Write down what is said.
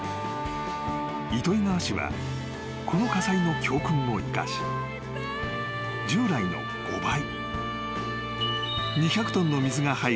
［糸魚川市はこの火災の教訓を生かし従来の５倍］